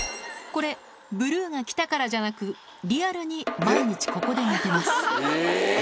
これ、ブルーが来たからじゃなく、リアルに毎日ここで寝てます。